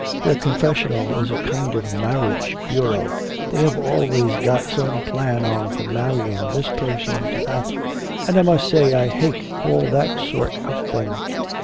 Their confessional is a kind of marriage bureau; they have always got some plan on for marrying this person to that, and I must say I hate all that sort of thing....